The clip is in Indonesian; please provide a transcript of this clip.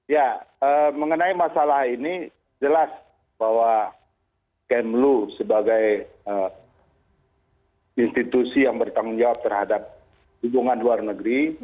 ya mengenai masalah ini jelas bahwa kemlu sebagai institusi yang bertanggung jawab terhadap hubungan luar negeri